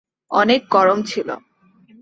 অনেক গরম ছিল।